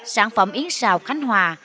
sản phẩm yến rào khánh hòa